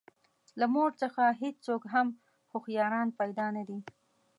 له مور څخه هېڅوک هم هوښیاران پیدا نه دي.